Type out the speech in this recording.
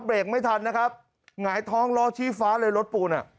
เบรกไม่ทันนะครับหงายท้องล้อชี้ฟ้าเลยรถปูนอ่ะ